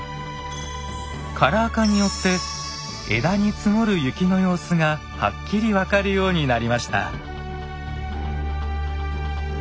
カラー化によって枝に積もる雪の様子がはっきり分かるようになりました。